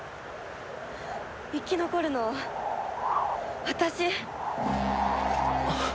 生き残るのは私！